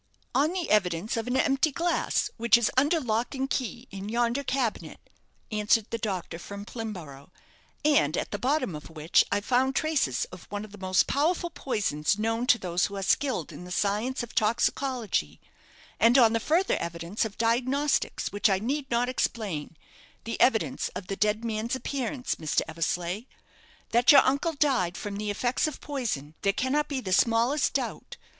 "On the evidence of an empty glass, which is under lock and key in yonder cabinet," answered the doctor from Plimborough; "and at the bottom of which I found traces of one of the most powerful poisons known to those who are skilled in the science of toxicology: and on the further evidence of diagnostics which I need not explain the evidence of the dead man's appearance, Mr. Eversleigh. That your uncle died from the effects of poison, there cannot be the smallest doubt.